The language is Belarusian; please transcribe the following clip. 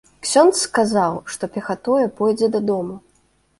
Ксёндз сказаў, што пехатою пойдзе дадому.